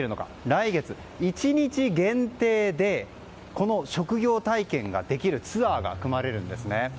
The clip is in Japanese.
来月１日限定でこの職業体験ができるツアーが組まれるんですね。